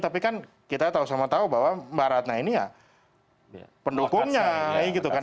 tapi kan kita tahu sama tahu bahwa mbak ratna ini ya pendukungnya gitu kan